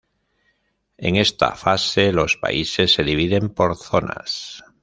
En esta fase los países se dividen por zonas.